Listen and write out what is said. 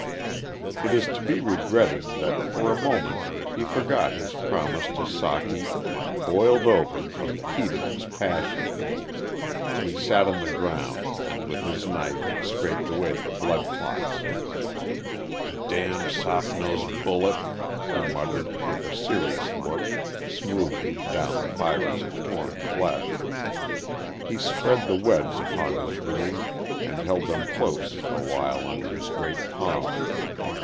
It is to be regretted that for a moment he forgot his promise to Socky and "boiled over" from the heat of his passion. He sat on the ground and with his knife scraped away the blood clots. "D damn soft nose bullet!" he muttered, with a serious look, smoothing, down the fibres of torn flesh. He spread the webs upon his wound, and held them close awhile under his great palm.